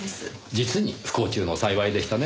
実に不幸中の幸いでしたね。